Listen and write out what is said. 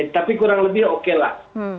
tapi kurang lebih oke lah